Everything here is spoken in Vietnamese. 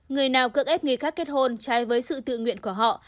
người nào cưỡng ép người khác kết hôn trái với sự tự nguyện của họ